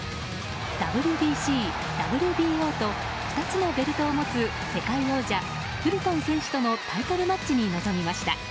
ＷＢＣ・ＷＢＯと２つのベルトを持つ世界王者フルトン選手とのタイトルマッチに臨みました。